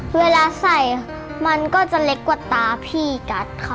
เวลาใส่มันก็จะเล็กกว่าตาพี่กัดค่ะ